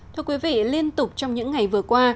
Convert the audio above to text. thưa quý vị liên tục trong những ngày vừa qua